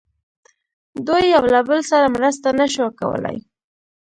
دوی یو له بل سره مرسته نه شوه کولای.